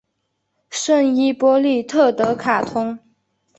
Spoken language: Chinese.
圣伊波利特德卡通。